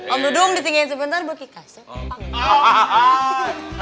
om dudung ditinggikan sebentar berkikas panggil